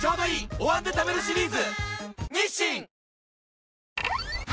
「お椀で食べるシリーズ」